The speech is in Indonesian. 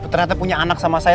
ternyata punya anak sama saya